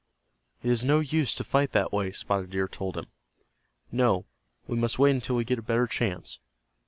"It is no use to fight that way," Spotted Deer told him. "No, we must wait until we get a better chance."